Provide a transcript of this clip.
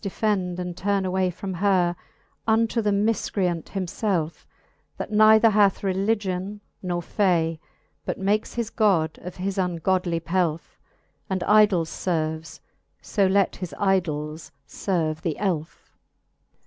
defend, and turne away From her, unto the mifcreant him felfe. That neither hath religion nor fay. But makes his God of his ungodly pelfe, And idols lerves j fb let his idols ferve the elfe. XX.